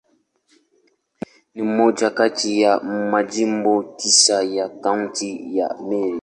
Ni moja kati ya Majimbo tisa ya Kaunti ya Meru.